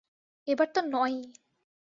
এবার তো নয়ই।